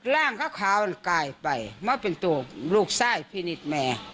ร่างเขาขาวกลายไปมันเป็นตัวลูกซ่ายพินิษฐ์แม่